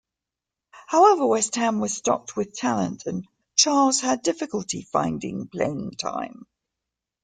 However, West Ham was stocked with talent and Charles had difficulty finding playing time.